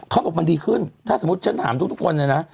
เขาบอกมันดีขึ้นถ้าสมมุติฉันถามทุกคนเลยนะ